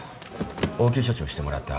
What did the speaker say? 応急処置をしてもらった後